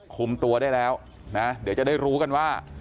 คุมตัวได้แล้วนะเดี๋ยวจะได้รู้กันว่า